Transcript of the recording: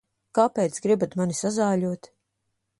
Kāpēc gribat mani sazāļot?